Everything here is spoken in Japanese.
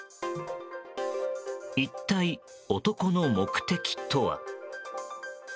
一体、男の目的とは。